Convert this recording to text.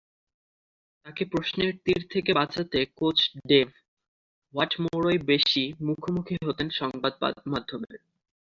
তাঁকে প্রশ্নের তির থেকে বাঁচাতে কোচ ডেভ হোয়াটমোরই বেশি মুখোমুখি হতেন সংবাদমাধ্যমের।